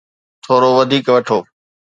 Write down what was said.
ٿورو وڌيڪ وٺو.